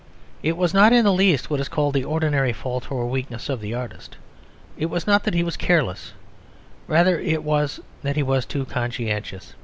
It was not in the least what is called the ordinary fault or weakness of the artist. It was not that he was careless; rather it was that he was too conscientious.